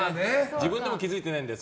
自分でも気づいてないんだよ。